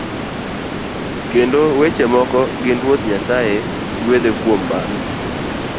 Kendo weche moko gin Ruoth Nyasaye gwedhe kuom mago.